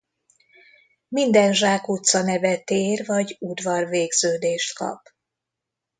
Minden zsákutca neve tér vagy udvar végződést kap.